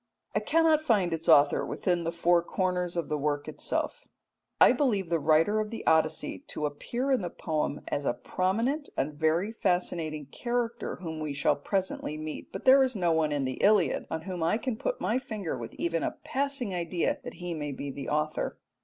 I cannot find its author within the four corners of the work itself. I believe the writer of the Odyssey to appear in the poem as a prominent and very fascinating character whom we shall presently meet, but there is no one in the Iliad on whom I can put my finger with even a passing idea that he may be the author.